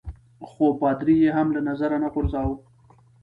خو پادري يي هم له نظره نه غورځاوه.